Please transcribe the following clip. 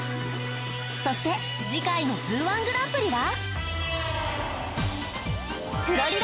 そして次回のＺＯＯ−１グランプリは？